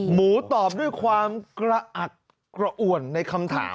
หมูตอบด้วยความกระอักกระอ่วนในคำถาม